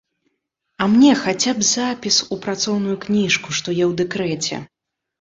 А мне хаця б запіс у працоўную кніжку, што я ў дэкрэце.